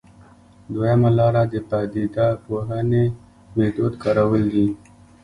دویمه لاره د پدیده پوهنې میتود کارول دي.